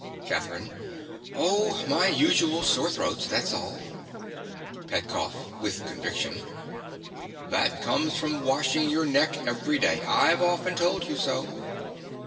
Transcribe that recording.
CATHERINE. Oh, my usual sore throats, that's all. PETKOFF. (with conviction). That comes from washing your neck every day. I've often told you so.